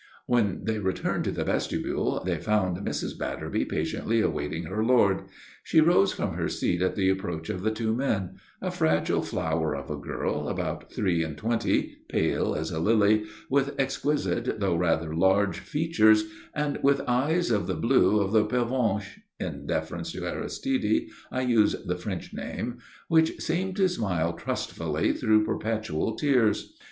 When they returned to the vestibule they found Mrs. Batterby patiently awaiting her lord. She rose from her seat at the approach of the two men, a fragile flower of a girl, about three and twenty, pale as a lily, with exquisite though rather large features, and with eyes of the blue of the pervenche (in deference to Aristide I use the French name), which seemed to smile trustfully through perpetual tears.